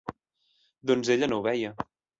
Doncs ella no ho veia.